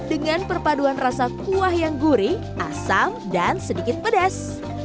dengan perpaduan rasa kuah yang gurih asam dan sedikit pedas